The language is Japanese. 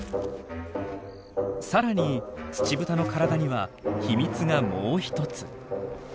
さらにツチブタの体には秘密がもう一つ。